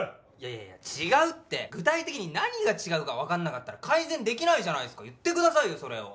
いやいや「違う」って具体的に何が違うか分かんなかったら改善できないじゃないすか言ってくださいよそれを。